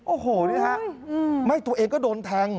โอ้โหนี่ฮะไม่ตัวเองก็โดนแทง